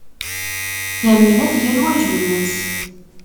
Yamina tga lwajeb-nnes.